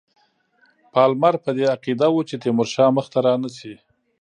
پالمر په دې عقیده وو چې تیمورشاه مخته رانه سي.